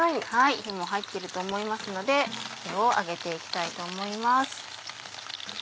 火も入ってると思いますのでこれを上げて行きたいと思います。